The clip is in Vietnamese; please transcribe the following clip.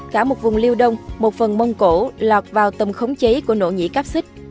cả một vùng liêu đông một phần mông cổ lọt vào tầm khống chế của nỗ nhĩ cáp xích